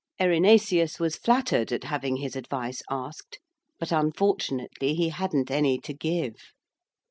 Erinaceus was flattered at having his advice asked, but unfortunately he hadn't any to give.